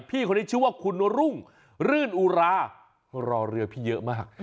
พี่คนนี้ชื่อว่าคุณรุ่งรื่นอุรารอเรือพี่เยอะมาก